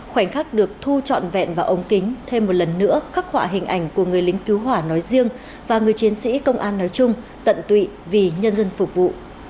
khoảnh khắc được thu trọn vẹn vào ống kính thêm một lần nữa khắc họa hình ảnh của người lính cứu hỏa nói riêng và người chiến sĩ công an nói chung tận tụy vì nhân dân phục vụ